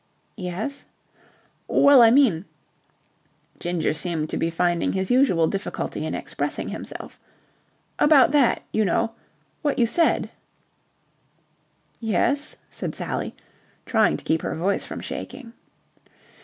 "Yes?" "Well, I mean..." Ginger seemed to be finding his usual difficulty in expressing himself. "About that, you know. What you said." "Yes?" said Sally, trying to keep her voice from shaking.